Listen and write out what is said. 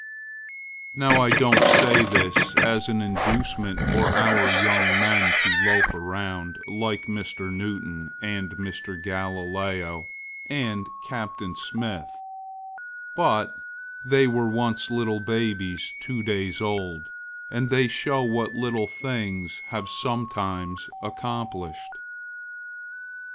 Now, I don't say this as an inducement for our young men to loaf around like Mr. Newton and Mr. Galileo and Captain Smith, but they were once little babies two days old, and they show what little things have sometimes accomplished.